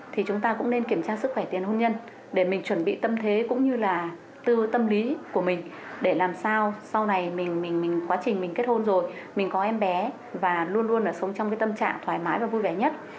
thì chúng ta cũng nên kiểm tra sức khỏe tiền hôn nhân để mình chuẩn bị tâm thế cũng như là từ tâm lý của mình để làm sao sau này mình quá trình mình kết hôn rồi mình có em bé và luôn luôn là sống trong cái tâm trạng thoải mái và vui vẻ nhất